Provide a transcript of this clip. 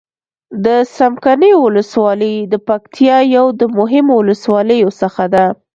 د څمکنيو ولسوالي د پکتيا يو د مهمو ولسواليو څخه ده.